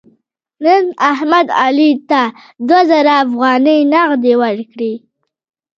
نن احمد علي ته دوه زره افغانۍ نغدې ورکړلې.